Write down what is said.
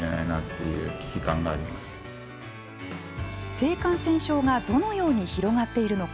性感染症がどのように広がっているのか